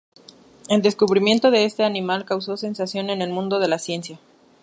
El descubrimiento de este animal causó sensación en el mundo de la ciencia.